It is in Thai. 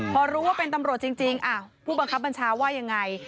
พอรู้ว่าเป็นตำรวจจริงผู้บังคับบัญชาว่ายังไง